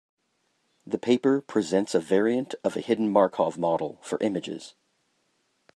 The paper presents a variant of a hidden Markov model for images.